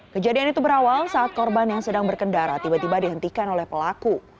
kejadian itu berawal saat korban yang sedang berkendara tiba tiba dihentikan oleh pelaku